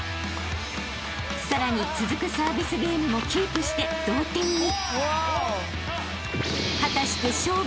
［さらに続くサービスゲームもキープして同点に］